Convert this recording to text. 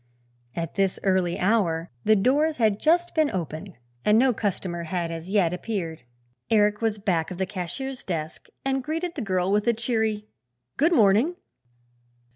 At this early hour the doors had just been opened and no customer had as yet appeared. Eric was back of the cashier's desk and greeted the girl with a cheery "good morning."